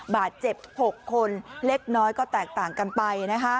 บาดเจ็บ๖คนเล็กน้อยก็แตกต่างกันไป